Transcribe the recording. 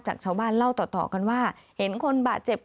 จากชาวบ้านเล่าต่อกันว่าเห็นคนบาดเจ็บ